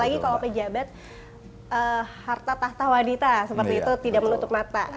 nah ini juga kejabat harta tahta wanita seperti itu tidak menutup mata